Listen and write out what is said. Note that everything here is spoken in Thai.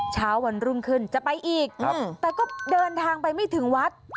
เช้าวันรุ่งขึ้นจะไปอีกแต่ก็เดินทางไปไม่ถึงวัด